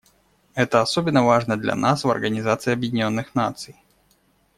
Это особенно важно для нас, в Организации Объединенных Наций.